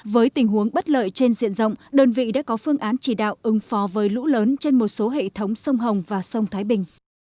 với tình huống bất lợi trên diện rộng đơn vị đã có phương án chỉ đạo ứng phó với lũ lớn trên một số hệ thống sông hồng và sông thái bình